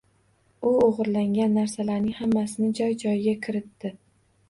U o‘g‘irlagan narsalarining hammasini joy-joyiga kiritdi.